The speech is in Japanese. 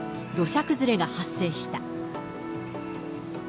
土砂崩れが発生した。